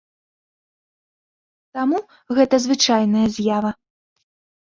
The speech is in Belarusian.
Таму гэта звычайная з'ява.